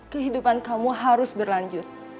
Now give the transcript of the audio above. kehidupan kamu harus berlanjut